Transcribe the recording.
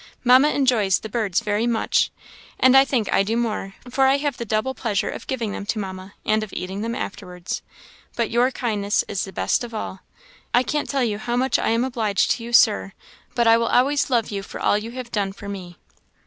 Mamma enjoys the birds very much, and I think I do more; for I have the double pleasure of giving them to Mamma, and of eating them afterwards; but your kindness is the best of all. I can't tell you how much I am obliged to you, Sir, but I will always love you for all you have done for me.